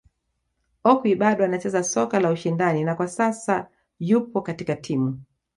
Okwi bado anacheza soka la ushindani na kwa sasa yupo katika timu